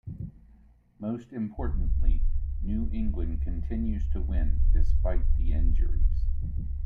Most importantly, New England continued to win despite the injuries.